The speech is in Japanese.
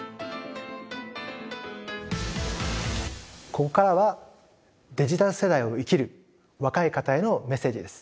ここからはデジタル世代を生きる若い方へのメッセージです。